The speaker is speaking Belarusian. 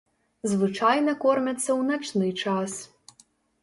Звычайна кормяцца ў начны час.